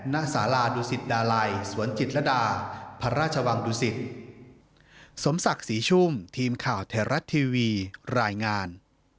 ณสาราดุสิตดาลัยสวนจิตรดาพระราชวังดุสิตสมศักดิ์ศรีชุ่มทีมข่าวไทยรัฐทีวีรายงาน